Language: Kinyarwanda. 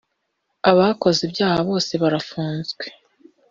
abakoze ibyaha bose barafunze.